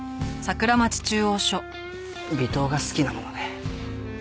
微糖が好きなもので。